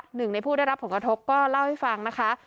หนึ่งในผู้ได้รับผลกระทบก็เล่าให้ฟังนะคะ